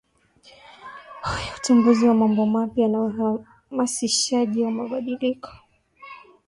Utambuzi wa mambo mapya na uhamasishaji wa mabadiliko